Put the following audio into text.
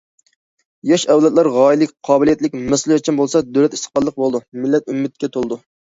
ياش ئەۋلادلار غايىلىك، قابىلىيەتلىك، مەسئۇلىيەتچان بولسا، دۆلەت ئىستىقباللىق بولىدۇ، مىللەت ئۈمىدكە تولىدۇ.